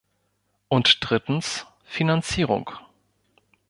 Und drittens, Finanzierung.